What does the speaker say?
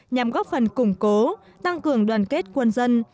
nhằm góp phần củng cố tăng cường đoàn kết quân dân